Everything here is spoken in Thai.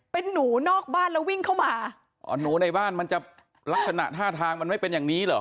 เป็นหนูนอกบ้านแล้ววิ่งเข้ามาอ๋อหนูในบ้านมันจะลักษณะท่าทางมันไม่เป็นอย่างนี้เหรอ